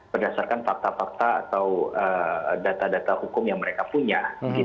berdasarkan fakta fakta atau data data hukum yang mereka punya